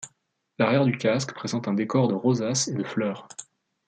L'arrière du casque présente un décor de rosaces et de fleurs.